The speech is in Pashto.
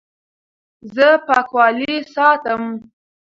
زه پاکوالی ساتم.